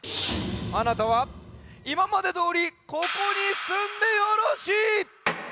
あなたはいままでどおりここにすんでよろしい。